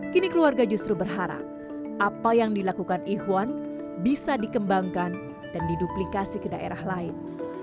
kini keluarga justru berharap apa yang dilakukan ihwan bisa dikembangkan dan diduplikasi ke daerah lain